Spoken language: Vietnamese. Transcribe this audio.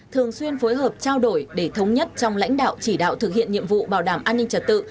thường xuyên phối hợp trao đổi để thống nhất trong lãnh đạo chỉ đạo thực hiện nhiệm vụ bảo đảm an ninh trật tự